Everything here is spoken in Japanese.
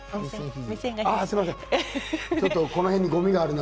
ああ、すみません。